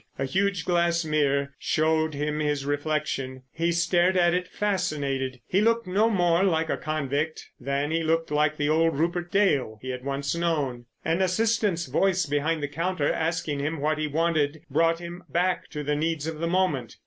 A huge glass mirror showed him his reflection. He stared at it fascinated. He looked no more like a convict than he looked like the old Rupert Dale he had once known. An assistant's voice behind the counter asking him what he wanted brought him back to the needs of the moment.